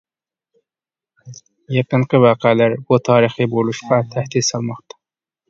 يېقىنقى ۋەقەلەر بۇ تارىخىي بۇرۇلۇشقا تەھدىت سالماقتا.